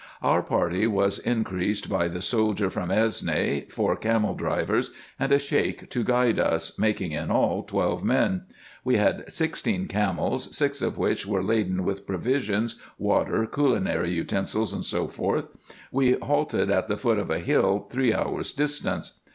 Our party was increased by the soldier from Esne, four camel drivers, and a Sheik to guide us, making in all twelve men. We had sixteen camels, six of which were laden with provisions, water, culinary utensils, &c. We halted at the foot of a hill three hours distance.